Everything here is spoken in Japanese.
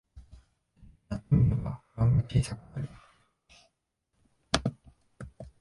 やってみれば不安が小さくなる